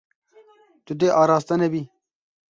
Tu dê araste nebî.